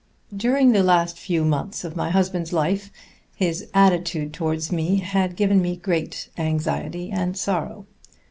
During the last few months of my husband's life his attitude towards me had given me great anxiety and sorrow.